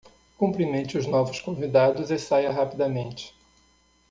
Cumprimente os novos convidados e saia rapidamente.